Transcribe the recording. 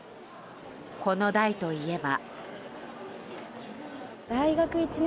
この代といえば。